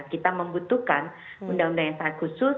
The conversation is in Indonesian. kita membutuhkan undang undang yang sangat khusus